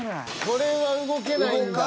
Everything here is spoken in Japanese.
これは動けないんだ。